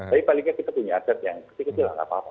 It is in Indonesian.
tapi palingnya kita punya aset yang kecil kecilan apa apa